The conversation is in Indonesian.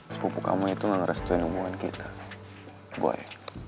sebuah buku kamu itu gak ngerasain hubungan kita boy